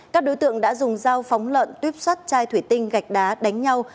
các đối tượng đã dùng dao phóng lợn tuyếp sắt chai thủy tinh gạch đá đánh nhau